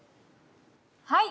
はい。